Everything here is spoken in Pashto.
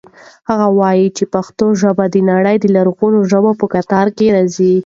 هغه وایي چې پښتو ژبه د نړۍ د لرغونو ژبو په کتار کې راځي.